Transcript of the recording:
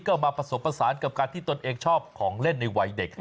ก็มาผสมผสานกับการที่ตนเองชอบของเล่นในวัยเด็ก